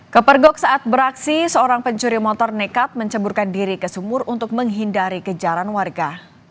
kepergok saat beraksi seorang pencuri motor nekat menceburkan diri ke sumur untuk menghindari kejaran warga